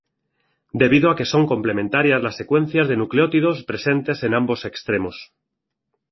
Debido a que son complementarias las secuencias de nucleótidos presentes en ambos extremos.